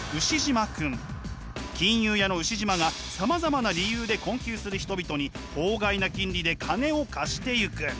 金融屋のウシジマがさまざまな理由で困窮する人々に法外な金利で金を貸していく。